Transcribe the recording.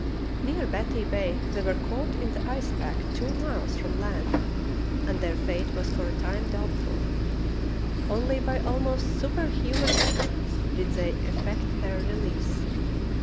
Near Batty Bay they were caught in the ice pack two miles from land and their fate was for a time doubtful. Only by almost superhuman efforts did they effect their release.